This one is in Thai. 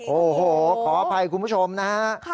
โอ้โหขออภัยคุณผู้ชมนะฮะ